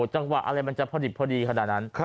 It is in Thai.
จังหวะอะไรมันจะพอดิบพอดีขนาดนั้น